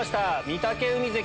御嶽海関。